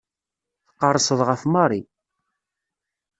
Tqerrseḍ ɣef Mary.